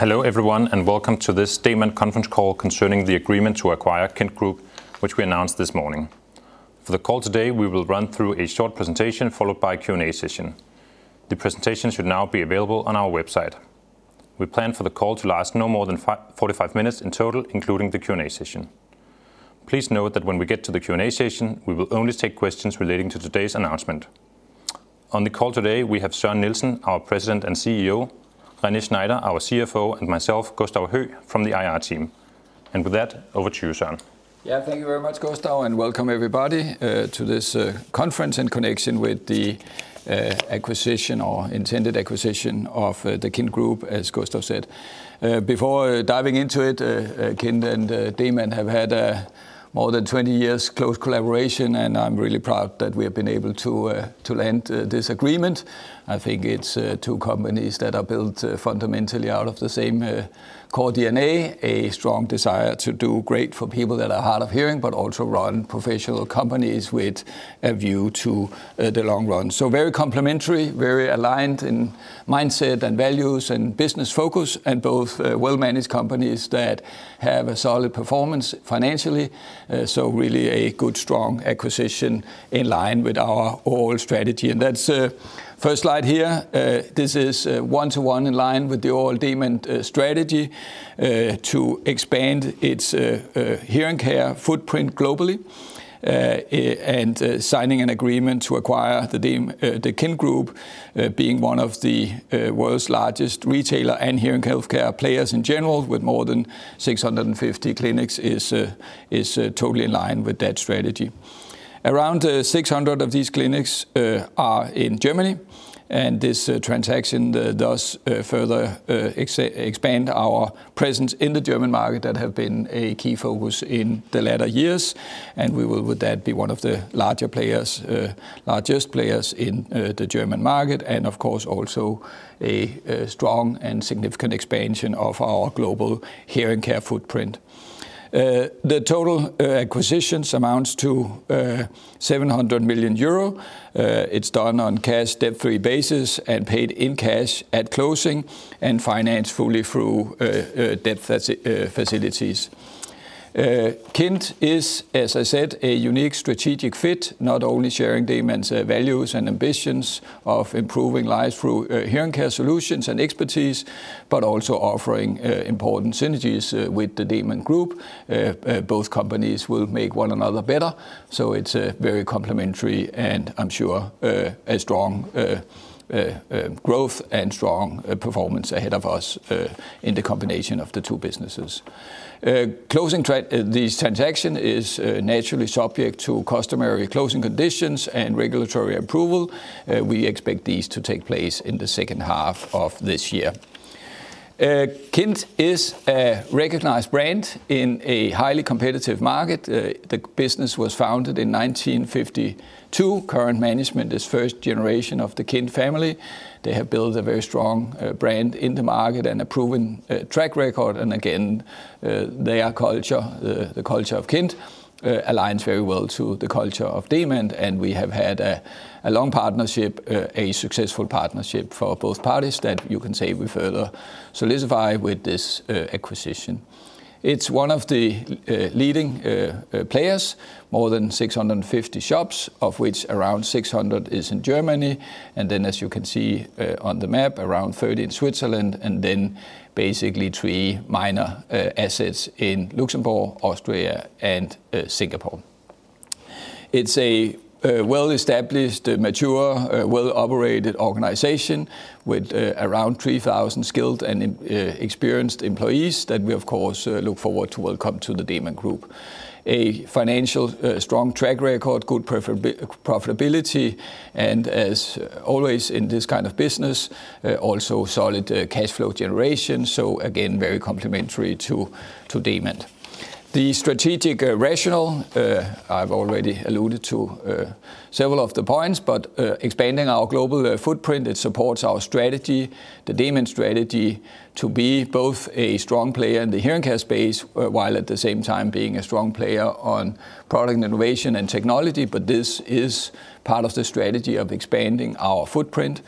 Hello everyone, and welcome to this Demant conference call concerning the agreement to acquire Kind Group, which we announced this morning. For the call today, we will run through a short presentation followed by a Q&A session. The presentation should now be available on our website. We plan for the call to last no more than 45 minutes in total, including the Q&A session. Please note that when we get to the Q&A session, we will only take questions relating to today's announcement. On the call today, we have Søren Nielsen, our President and CEO; René Schneider, our CFO; and myself, Gustav Høegh, from the IR team. With that, over to you, Søren. Yeah, thank you very much, Gustav, and welcome everybody to this conference in connection with the acquisition or intended acquisition of the Kind Group, as Gustav said. Before diving into it, Kind and Demant have had more than 20 years of close collaboration, and I'm really proud that we have been able to land this agreement. I think it's two companies that are built fundamentally out of the same core DNA: a strong desire to do great for people that are hard of hearing, but also run professional companies with a view to the long run. Very complementary, very aligned in mindset and values and business focus, and both well-managed companies that have a solid performance financially. Really a good, strong acquisition in line with our overall strategy. That's the first slide here. This is one-to-one in line with the overall Demant strategy to expand its hearing care footprint globally. Signing an agreement to acquire the Kind Group, being one of the world's largest retailer and hearing healthcare players in general, with more than 650 clinics, is totally in line with that strategy. Around 600 of these clinics are in Germany, and this transaction does further expand our presence in the German market that has been a key focus in the latter years. We will, with that, be one of the largest players in the German market, and of course, also a strong and significant expansion of our global hearing care footprint. The total acquisitions amount to 700 million euro. It is done on a cash, debt-free basis, and paid in cash at closing, and financed fully through debt facilities. Kind is, as I said, a unique strategic fit, not only sharing Demant's values and ambitions of improving lives through hearing care solutions and expertise, but also offering important synergies with the Demant Group. Both companies will make one another better. It is very complementary, and I am sure a strong growth and strong performance ahead of us in the combination of the two businesses. Closing these transactions is naturally subject to customary closing conditions and regulatory approval. We expect these to take place in the second half of this year. Kind is a recognized brand in a highly competitive market. The business was founded in 1952. Current management is first generation of the Kind family. They have built a very strong brand in the market and a proven track record. Their culture, the culture of Kind, aligns very well to the culture of Demant. We have had a long partnership, a successful partnership for both parties that you can say we further solidify with this acquisition. It is one of the leading players, more than 650 shops, of which around 600 is in Germany. As you can see on the map, around 30 in Switzerland, and then basically three minor assets in Luxembourg, Austria, and Singapore. It is a well-established, mature, well-operated organization with around 3,000 skilled and experienced employees that we, of course, look forward to welcome to the Demant Group. A financially strong track record, good profitability, and as always in this kind of business, also solid cash flow generation. Again, very complementary to Demant. The strategic rationale, I've already alluded to several of the points, but expanding our global footprint, it supports our strategy, the Demant strategy, to be both a strong player in the hearing care space while at the same time being a strong player on product innovation and technology. This is part of the strategy of expanding our footprint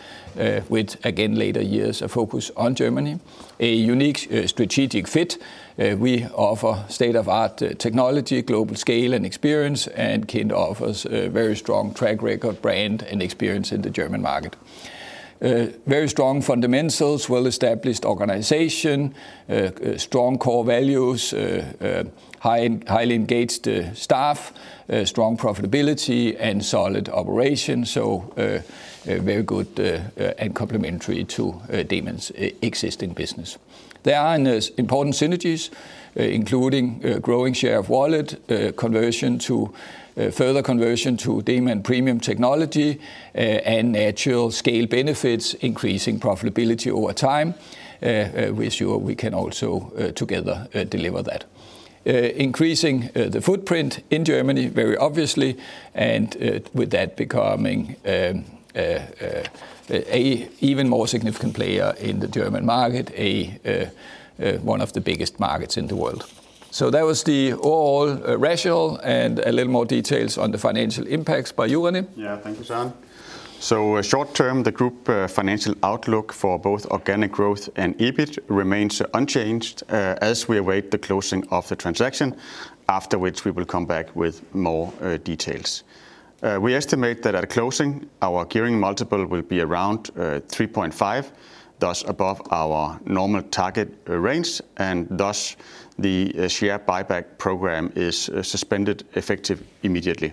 with, again, later years a focus on Germany. A unique strategic fit. We offer state-of-the-art technology, global scale, and experience, and Kind offers a very strong track record, brand, and experience in the German market. Very strong fundamentals, well-established organization, strong core values, highly engaged staff, strong profitability, and solid operations. Very good and complementary to Demant's existing business. There are important synergies, including growing share of wallet, further conversion to Demant premium technology, and natural scale benefits, increasing profitability over time, which we can also together deliver that. Increasing the footprint in Germany, very obviously, and with that becoming an even more significant player in the German market, one of the biggest markets in the world. That was the overall rationale and a little more details on the financial impacts by [Juhani]. Yeah, thank you, Søren. Short term, the group financial outlook for both organic growth and EBIT remains unchanged as we await the closing of the transaction, after which we will come back with more details. We estimate that at closing, our gearing multiple will be around 3.5, thus above our normal target range, and thus the share buyback program is suspended effective immediately.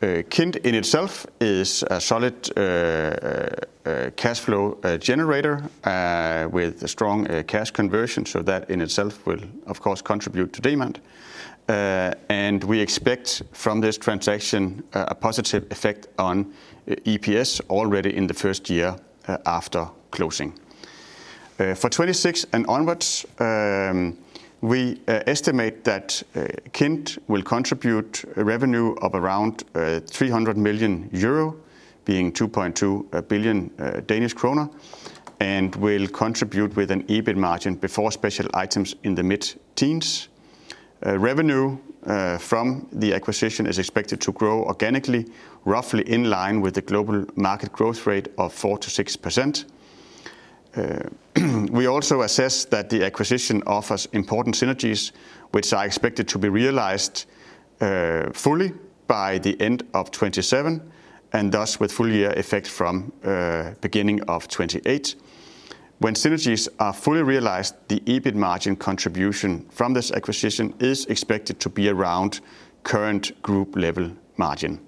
Kind in itself is a solid cash flow generator with strong cash conversion, so that in itself will, of course, contribute to Demant. We expect from this transaction a positive effect on EPS already in the first year after closing. For 2026 and onwards, we estimate that Kind will contribute a revenue of around 300 million euro, being 2.2 billion Danish kroner, and will contribute with an EBIT margin before special items in the mid-teens. Revenue from the acquisition is expected to grow organically, roughly in line with the global market growth rate of 4%-6%. We also assess that the acquisition offers important synergies, which are expected to be realized fully by the end of 2027, and thus with full-year effect from beginning of 2028. When synergies are fully realized, the EBIT margin contribution from this acquisition is expected to be around current group level margin.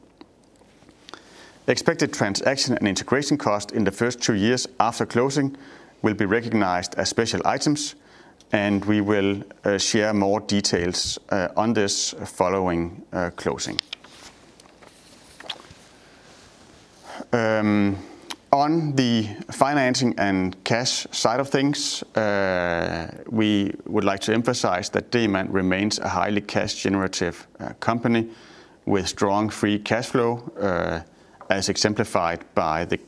Expected transaction and integration costs in the first two years after closing will be recognized as special items, and we will share more details on this following closing. On the financing and cash side of things, we would like to emphasize that Demant remains a highly cash-generative company with strong free cash flow, as exemplified by the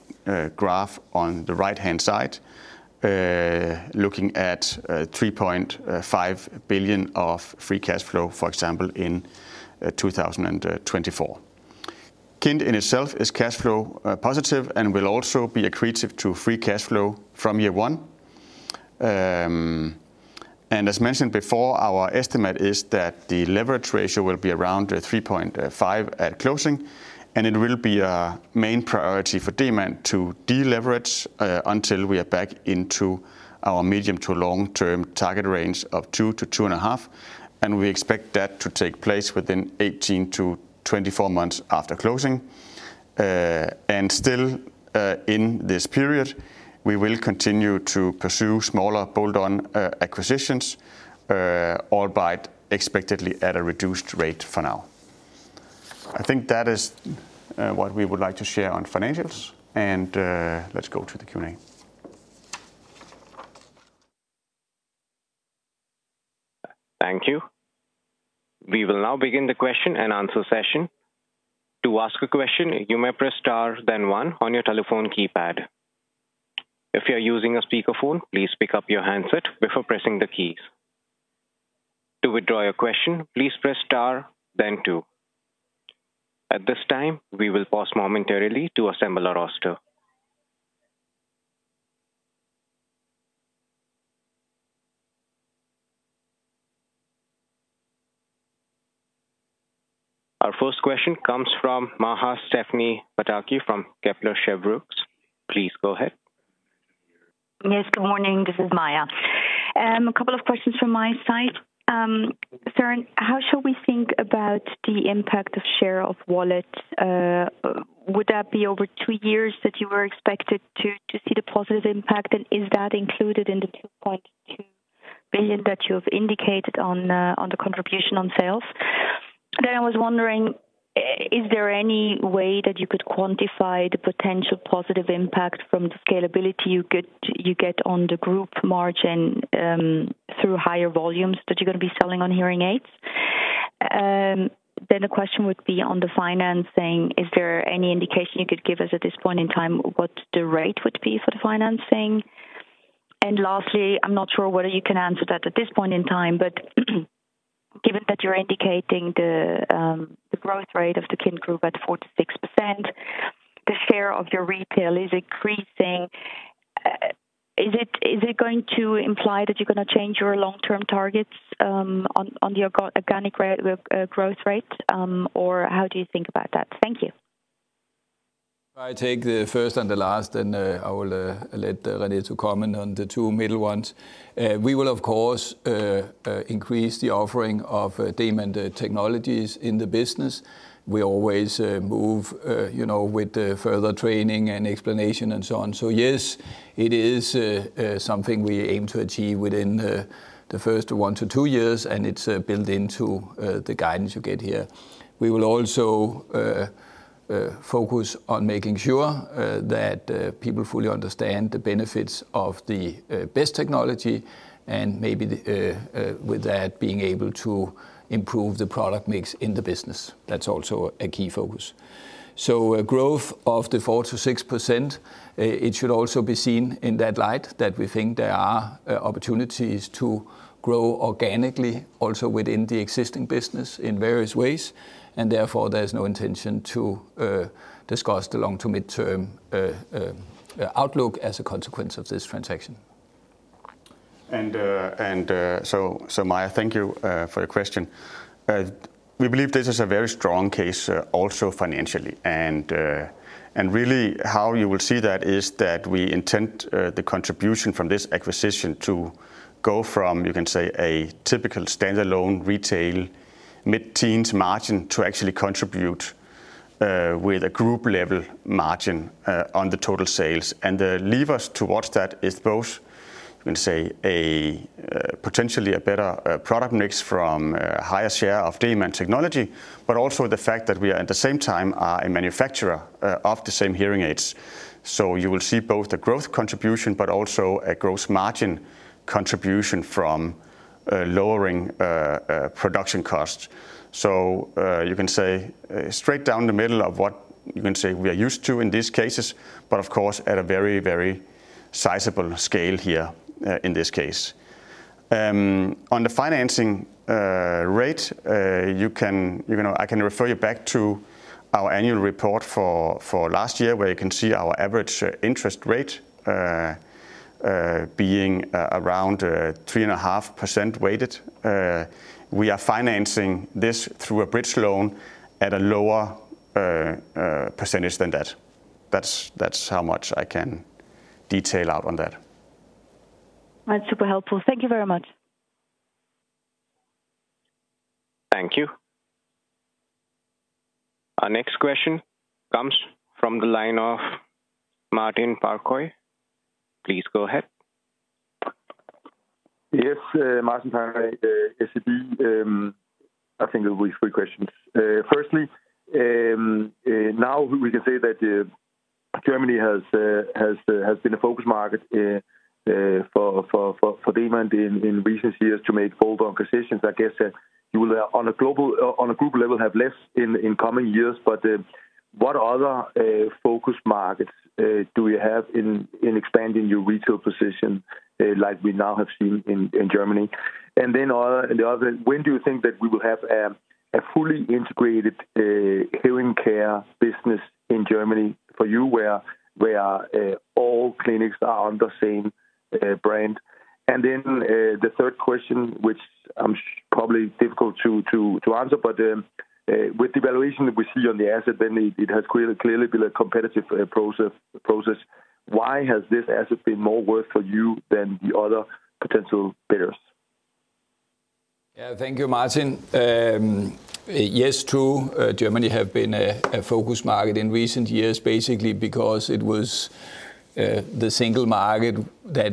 graph on the right-hand side, looking at 3.5 billion of free cash flow, for example, in 2024. Kind in itself is cash flow positive and will also be accretive to free cash flow from year one. As mentioned before, our estimate is that the leverage ratio will be around 3.5 at closing, and it will be a main priority for Demant to deleverage until we are back into our medium to long-term target range of 2%-2.5%. We expect that to take place within 18-24 months after closing. Still in this period, we will continue to pursue smaller bolt-on acquisitions, albeit expectedly at a reduced rate for now. I think that is what we would like to share on financials, and let's go to the Q&A. Thank you. We will now begin the question-and-answer session. To ask a question, you may press star, then one on your telephone keypad. If you're using a speakerphone, please pick up your handset before pressing the keys. To withdraw your question, please press star, then two. At this time, we will pause momentarily to assemble our roster. Our first question comes from Maja Stephanie Pataki from Kepler Cheuvreux. Please go ahead. Yes, good morning. This is Maja. A couple of questions from my side. Søren, how should we think about the impact of share of wallet? Would that be over two years that you were expected to see the positive impact? Is that included in the 2.2 billion that you have indicated on the contribution on sales? I was wondering, is there any way that you could quantify the potential positive impact from the scalability you get on the group margin through higher volumes that you're going to be selling on hearing aids? The question would be on the financing, is there any indication you could give us at this point in time what the rate would be for the financing? Lastly, I'm not sure whether you can answer that at this point in time, but given that you're indicating the growth rate of the Kind Group at 4%-6%, the share of your retail is increasing. Is it going to imply that you're going to change your long-term targets on the organic growth rate, or how do you think about that? Thank you. I take the first and the last, and I will let René comment on the two middle ones. We will, of course, increase the offering of Demant technologies in the business. We always move with further training and explanation and so on. Yes, it is something we aim to achieve within the first one to two years, and it is built into the guidance you get here. We will also focus on making sure that people fully understand the benefits of the best technology, and maybe with that, being able to improve the product mix in the business. That is also a key focus. Growth of the 4%-6%, it should also be seen in that light that we think there are opportunities to grow organically also within the existing business in various ways. There is no intention to discuss the long-to-mid-term outlook as a consequence of this transaction. Maja, thank you for the question. We believe this is a very strong case also financially. Really, how you will see that is that we intend the contribution from this acquisition to go from, you can say, a typical standalone retail mid-teens margin to actually contribute with a group-level margin on the total sales. The levers towards that is both, you can say, potentially a better product mix from a higher share of Demant technology, but also the fact that we are at the same time a manufacturer of the same hearing aids. You will see both a growth contribution, but also a gross margin contribution from lowering production costs. You can say straight down the middle of what you can say we are used to in these cases, but of course, at a very, very sizable scale here in this case. On the financing rate, I can refer you back to our annual report for last year, where you can see our average interest rate being around 3.5% weighted. We are financing this through a bridge loan at a lower percentage than that. That's how much I can detail out on that. That's super helpful. Thank you very much. Thank you. Our next question comes from the line of Martin Parkhøi. Please go ahead. Yes, Martin Parkhøi, SEB. I think there will be three questions. Firstly, now we can say that Germany has been a focus market for Demant in recent years to make bolt-on positions. I guess you will, on a group level, have less in coming years, but what other focus markets do you have in expanding your retail position, like we now have seen in Germany? When do you think that we will have a fully integrated hearing care business in Germany for you where all clinics are under the same brand? The third question, which is probably difficult to answer, but with the valuation that we see on the asset, then it has clearly been a competitive process. Why has this asset been more worth for you than the other potential bidders? Yeah, thank you, Martin. Yes, too, Germany has been a focus market in recent years, basically because it was the single market that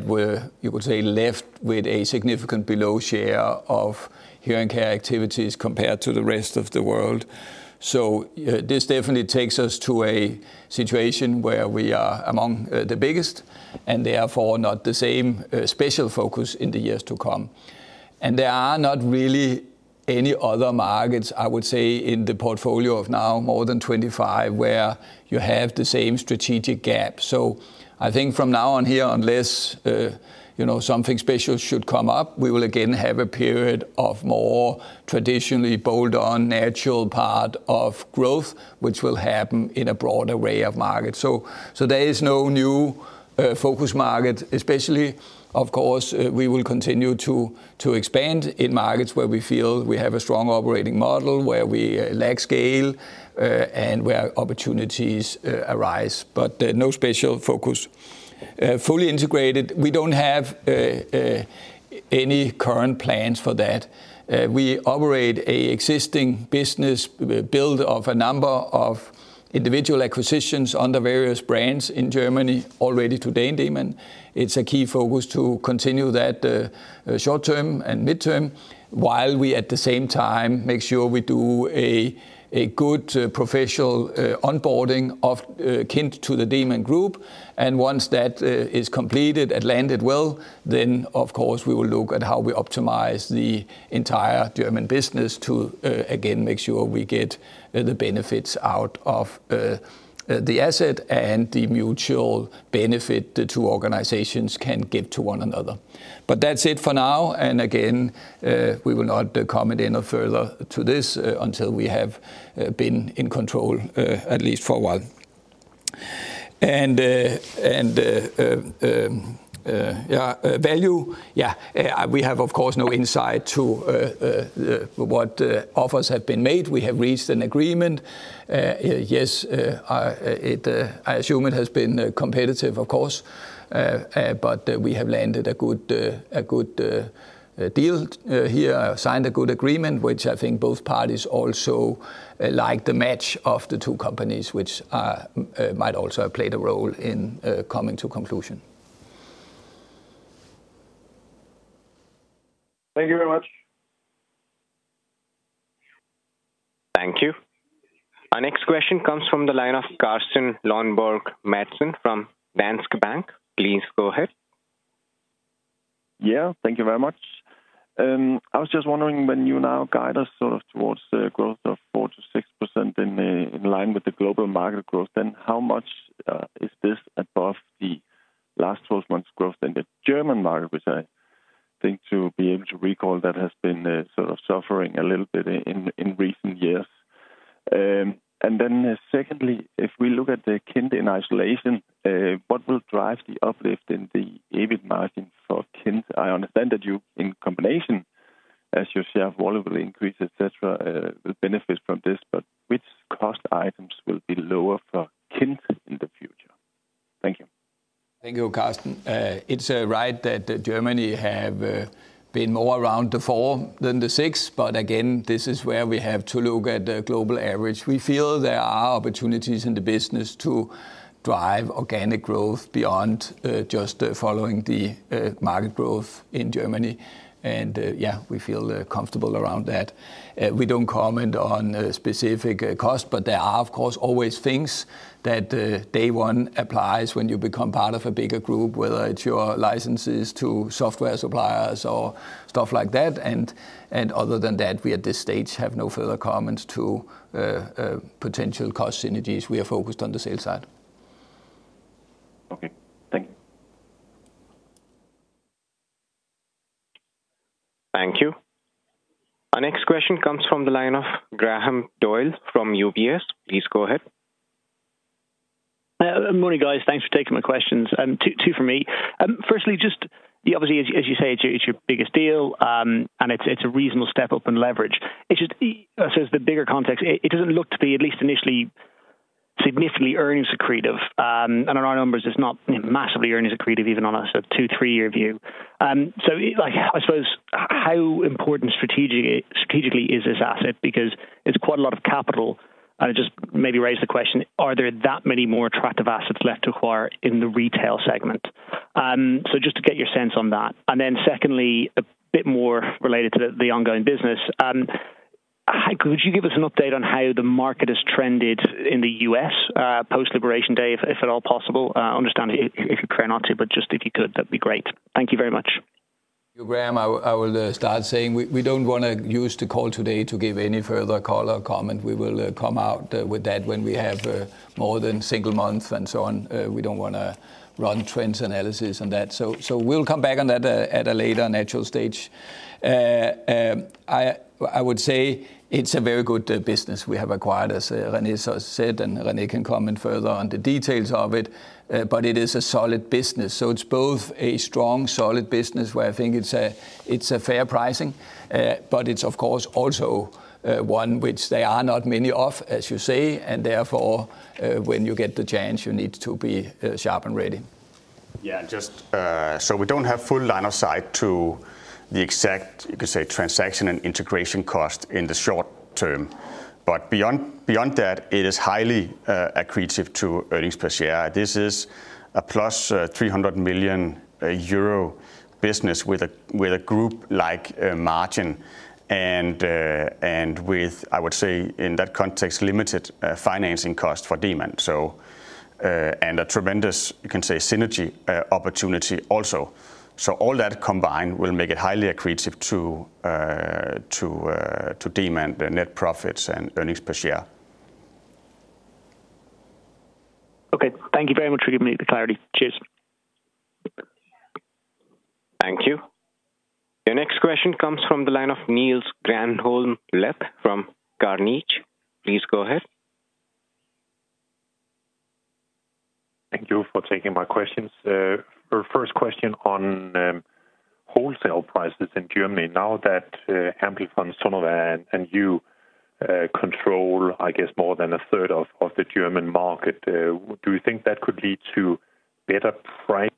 you could say left with a significant below share of hearing care activities compared to the rest of the world. This definitely takes us to a situation where we are among the biggest and therefore not the same special focus in the years to come. There are not really any other markets, I would say, in the portfolio of now more than 25, where you have the same strategic gap. I think from now on here, unless something special should come up, we will again have a period of more traditionally bolt-on, natural part of growth, which will happen in a broader array of markets. There is no new focus market, especially, of course, we will continue to expand in markets where we feel we have a strong operating model, where we lack scale, and where opportunities arise, but no special focus. Fully integrated, we do not have any current plans for that. We operate an existing business built off a number of individual acquisitions under various brands in Germany already today in Demant. It is a key focus to continue that short-term and midterm while we at the same time make sure we do a good professional onboarding of Kind to the Demant group. Once that is completed and landed well, then of course, we will look at how we optimize the entire German business to again make sure we get the benefits out of the asset and the mutual benefit the two organizations can give to one another. That is it for now. Again, we will not comment any further to this until we have been in control at least for a while. Value, yeah, we have of course no insight to what offers have been made. We have reached an agreement. Yes, I assume it has been competitive, of course, but we have landed a good deal here. I signed a good agreement, which I think both parties also like the match of the two companies, which might also have played a role in coming to conclusion. Thank you very much. Thank you. Our next question comes from the line of Carsten Lønborg Madsen from Danske Bank. Please go ahead. Yeah, thank you very much. I was just wondering when you now guide us sort of towards the growth of 4%-6% in line with the global market growth, then how much is this above the last 12 months' growth in the German market, which I think to be able to recall that has been sort of suffering a little bit in recent years? Secondly, if we look at the Kind in isolation, what will drive the uplift in the EBIT margin for Kind? I understand that you, in combination, as your share of volume will increase, etc., will benefit from this, but which cost items will be lower for Kind in the future? Thank you. Thank you, Carsten. It's right that Germany has been more around the 4% than the 6%, but again, this is where we have to look at the global average. We feel there are opportunities in the business to drive organic growth beyond just following the market growth in Germany. Yeah, we feel comfortable around that. We don't comment on specific costs, but there are of course always things that day one applies when you become part of a bigger group, whether it's your licenses to software suppliers or stuff like that. Other than that, we at this stage have no further comments to potential cost synergies. We are focused on the sales side. Okay, thank you. Thank you. Our next question comes from the line of Graham Doyle from UBS. Please go ahead. Morning, guys. Thanks for taking my questions. Two for me. Firstly, just obviously, as you say, it's your biggest deal, and it's a reasonable step up in leverage. I suppose, the bigger context, it doesn't look to be, at least initially, significantly earnings accretive. In our numbers, it's not massively earnings accretive, even on a sort of two, three-year view. I suppose, how important strategically is this asset? Because it's quite a lot of capital. It just maybe raised the question, are there that many more attractive assets left to acquire in the retail segment? Just to get your sense on that. Secondly, a bit more related to the ongoing business, could you give us an update on how the market has trended in the U.S. post-liberation day, if at all possible? I understand if you care not to, but just if you could, that'd be great. Thank you very much. You, Graham, I will start saying we do not want to use the call today to give any further call or comment. We will come out with that when we have more than a single month and so on. We do not want to run trends analysis on that. We will come back on that at a later natural stage. I would say it is a very good business we have acquired, as René said, and René can comment further on the details of it, but it is a solid business. It is both a strong, solid business where I think it is fair pricing, but it is of course also one which there are not many of, as you say, and therefore when you get the chance, you need to be sharp and ready. Yeah, just so we do not have full line of sight to the exact, you could say, transaction and integration cost in the short-term, but beyond that, it is highly accretive to earnings per share. This is a plus 300 million euro business with a group-like margin and with, I would say, in that context, limited financing costs for Demant. A tremendous, you can say, synergy opportunity also. All that combined will make it highly accretive to Demant net profits and earnings per share. Okay, thank you very much for giving me the clarity. Cheers. Thank you. The next question comes from the line of Niels Granholm-Leth from Carnegie. Please go ahead. Thank you for taking my questions. First question on wholesale prices in Germany. Now that Amplifon and you control, I guess, more than a third of the German market, do you think that could lead to better price?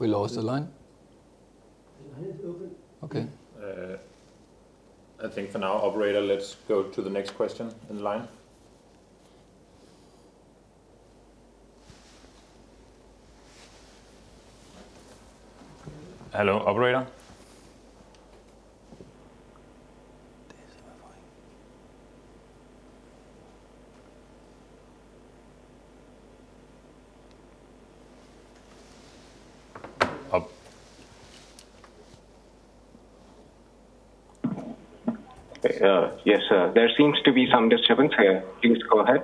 We lost the line. Okay. I think for now, operator, let's go to the next question in line. Hello, operator. Yes, there seems to be some disturbance here. Please go ahead.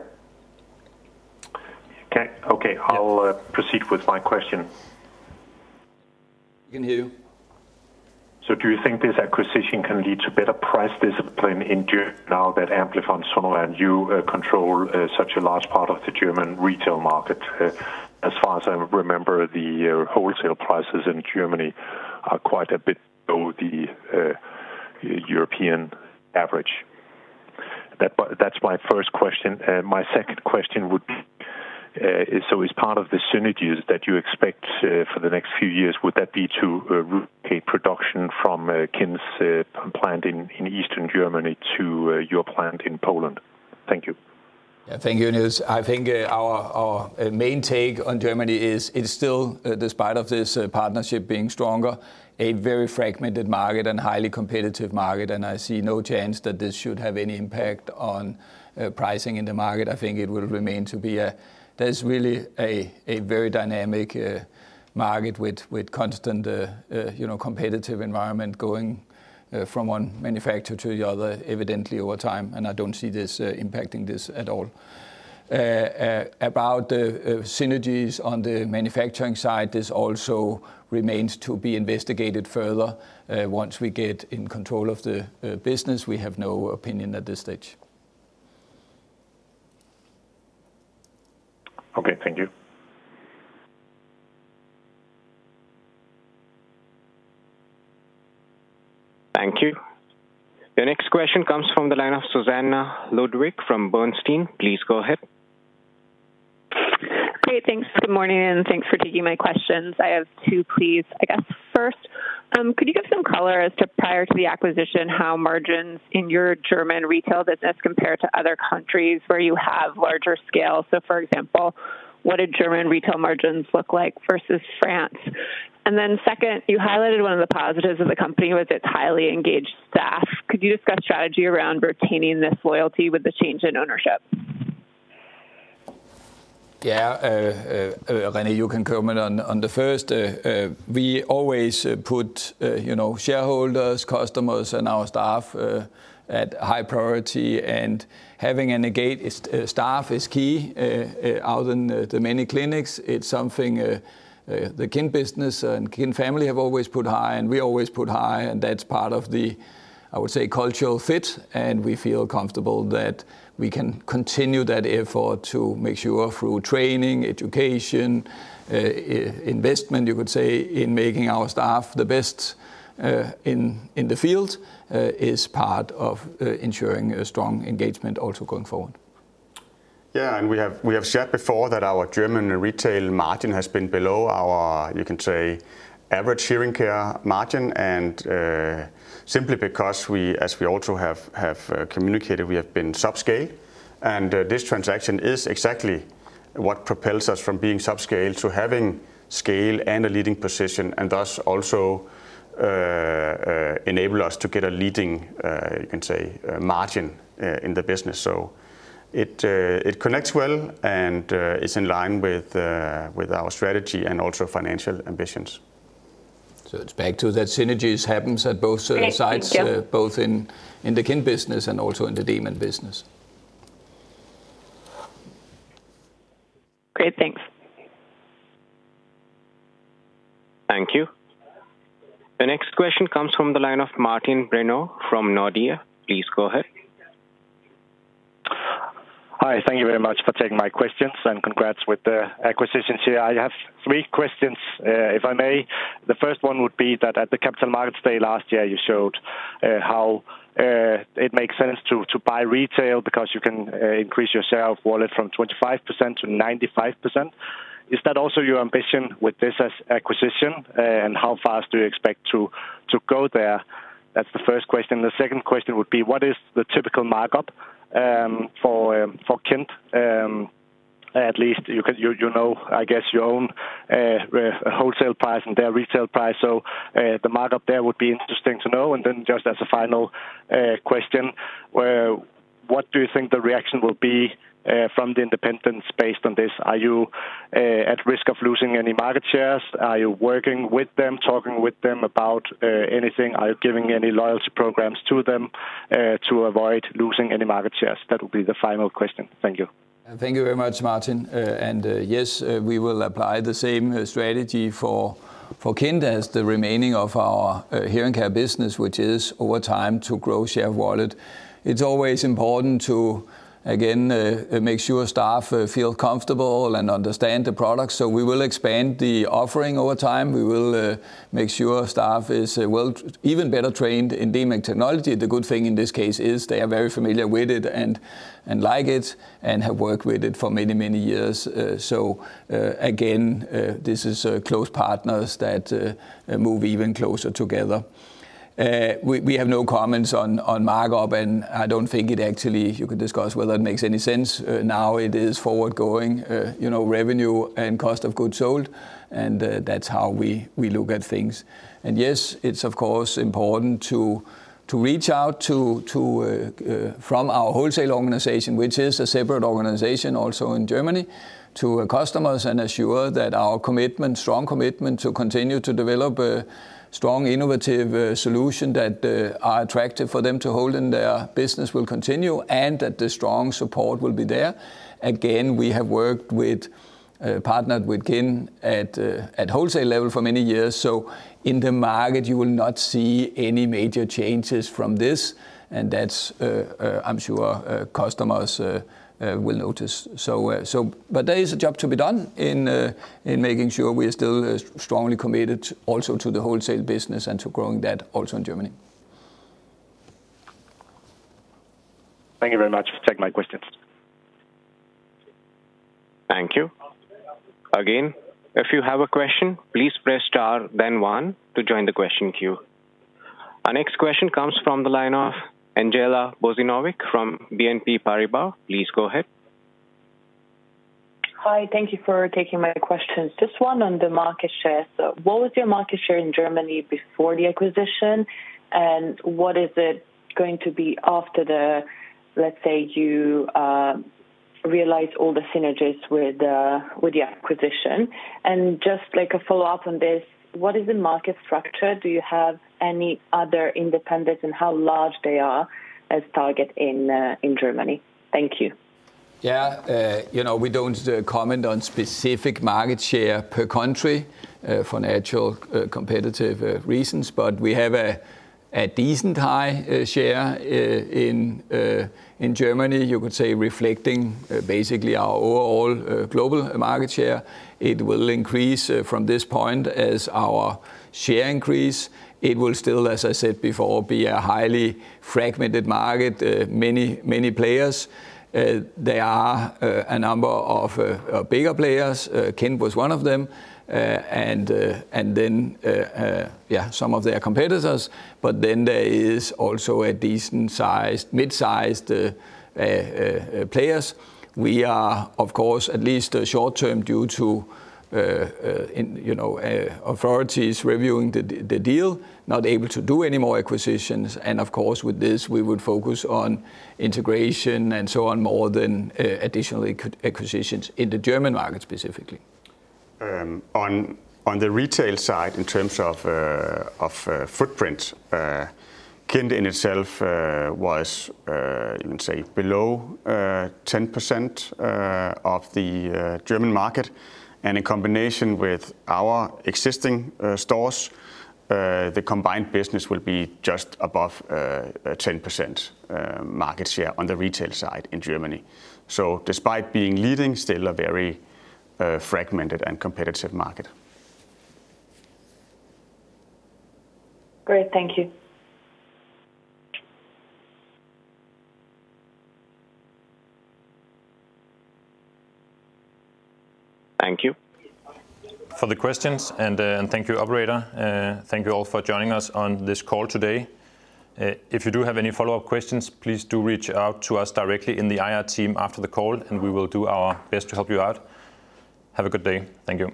Okay, I'll proceed with my question. We can hear you. Do you think this acquisition can lead to better price discipline in Germany now that Amplifon and you control such a large part of the German retail market? As far as I remember, the wholesale prices in Germany are quite a bit below the European average. That's my first question. My second question would be, as part of the synergies that you expect for the next few years, would that be to rotate production from Kind Group's plant in eastern Germany to your plant in Poland? Thank you. Yeah, thank you, Niels. I think our main take on Germany is it's still, despite of this partnership being stronger, a very fragmented market and highly competitive market. I see no chance that this should have any impact on pricing in the market. I think it will remain to be a, there's really a very dynamic market with constant competitive environment going from one manufacturer to the other, evidently over time. I don't see this impacting this at all. About the synergies on the manufacturing side, this also remains to be investigated further. Once we get in control of the business, we have no opinion at this stage. Okay, thank you. Thank you. The next question comes from the line of Susannah Ludwig from Bernstein. Please go ahead. Great, thanks. Good morning and thanks for taking my questions. I have two, please. I guess first, could you give some color as to prior to the acquisition, how margins in your German retail business compared to other countries where you have larger scale? For example, what did German retail margins look like versus France? Second, you highlighted one of the positives of the company was its highly engaged staff. Could you discuss strategy around retaining this loyalty with the change in ownership? Yeah, René, you can comment on the first. We always put shareholders, customers, and our staff at high priority. Having an engaged staff is key. Out in the many clinics, it is something the Kind business and Kind family have always put high, and we always put high. That is part of the, I would say, cultural fit. We feel comfortable that we can continue that effort to make sure through training, education, investment, you could say, in making our staff the best in the field is part of ensuring a strong engagement also going forward. Yeah, and we have shared before that our German retail margin has been below our, you can say, average hearing care margin. Simply because we, as we also have communicated, we have been subscale. This transaction is exactly what propels us from being subscale to having scale and a leading position and thus also enable us to get a leading, you can say, margin in the business. It connects well and is in line with our strategy and also financial ambitions. It's back to that synergies happens at both sides, both in the Kind business and also in the Demant business. Great, thanks. Thank you. The next question comes from the line of Martin Brenner from Nordea. Please go ahead. Hi, thank you very much for taking my questions and congrats with the acquisitions. I have three questions, if I may. The first one would be that at the capital markets day last year, you showed how it makes sense to buy retail because you can increase your share of wallet from 25%-95%. Is that also your ambition with this acquisition? How fast do you expect to go there? That is the first question. The second question would be, what is the typical markup for Kind? At least, you know, I guess, your own wholesale price and their retail price. The markup there would be interesting to know. Just as a final question, what do you think the reaction will be from the independents based on this? Are you at risk of losing any market shares? Are you working with them, talking with them about anything? Are you giving any loyalty programs to them to avoid losing any market shares? That would be the final question. Thank you. Thank you very much, Martin. Yes, we will apply the same strategy for Kind as the remaining of our hearing care business, which is over time to grow share of wallet. It is always important to, again, make sure staff feel comfortable and understand the product. We will expand the offering over time. We will make sure staff is even better trained in Demant technology. The good thing in this case is they are very familiar with it and like it and have worked with it for many, many years. Again, this is close partners that move even closer together. We have no comments on markup, and I do not think it actually, you can discuss whether it makes any sense. Now it is forward going, revenue and cost of goods sold, and that is how we look at things. Yes, it's of course important to reach out from our wholesale organization, which is a separate organization also in Germany, to our customers and assure that our commitment, strong commitment to continue to develop a strong, innovative solution that are attractive for them to hold in their business will continue and that the strong support will be there. Again, we have worked with, partnered with Kind at wholesale level for many years. In the market, you will not see any major changes from this. I'm sure customers will notice. There is a job to be done in making sure we are still strongly committed also to the wholesale business and to growing that also in Germany. Thank you very much for taking my questions. Thank you. Again, if you have a question, please press star, then one to join the question queue. Our next question comes from the line of Andjela Bozinovic from BNP Paribas. Please go ahead. Hi, thank you for taking my questions. Just one on the market shares. What was your market share in Germany before the acquisition? What is it going to be after you realize all the synergies with the acquisition? Just like a follow-up on this, what is the market structure? Do you have any other independents and how large they are as target in Germany? Thank you. Yeah, we do not comment on specific market share per country for natural competitive reasons, but we have a decent high share in Germany, you could say, reflecting basically our overall global market share. It will increase from this point as our share increases. It will still, as I said before, be a highly fragmented market, many, many players. There are a number of bigger players. Kind was one of them. Yeah, some of their competitors. There is also a decent-sized, mid-sized players. We are, of course, at least short-term due to authorities reviewing the deal, not able to do any more acquisitions. Of course, with this, we would focus on integration and so on, more than additional acquisitions in the German market specifically. On the retail side, in terms of footprint, Kind in itself was, you can say, below 10% of the German market. In combination with our existing stores, the combined business will be just above 10% market share on the retail side in Germany. Despite being leading, still a very fragmented and competitive market. Great, thank you. Thank you for the questions. Thank you, operator. Thank you all for joining us on this call today. If you do have any follow-up questions, please do reach out to us directly in the IR team after the call, and we will do our best to help you out. Have a good day. Thank you.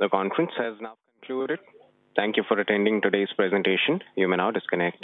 The conference has now concluded. Thank you for attending today's presentation. You may now disconnect.